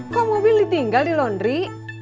kok mobil ditinggal di laundry